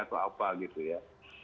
atau apa gitu ya